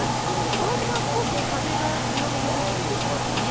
この時間、少し風が強めに吹いてきていますね。